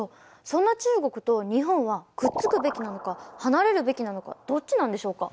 そんな中国と日本はくっつくべきなのか離れるべきなのかどっちなんでしょうか？